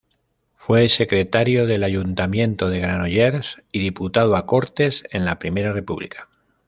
Fue secretario del Ayuntamiento de Granollers y diputado a Cortes en la primera República.